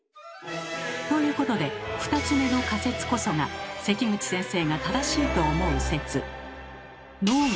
ということで２つ目の仮説こそが関口先生が正しいと思う説。